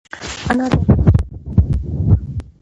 انار د افغانستان د جغرافیې یوه خورا غوره او ښه بېلګه ده.